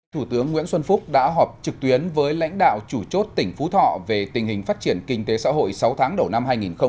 thủ tướng nguyễn xuân phúc đã họp trực tuyến với lãnh đạo chủ chốt tỉnh phú thọ về tình hình phát triển kinh tế xã hội sáu tháng đầu năm hai nghìn một mươi chín